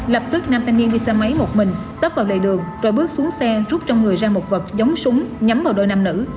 lập tức nam thanh niên đi xe máy một mình tấp vào lề đường rồi bước xuống xe rút trong người ra một vật giống súng nhắm vào đôi nam nữ